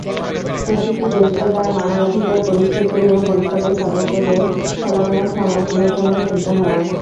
প্রতিটি দেশকে তার মানবাধিকার পরিস্থিতি নিয়ে পরিষদের সদস্যদের খোলামেলা সমালোচনা শুনতে হয়।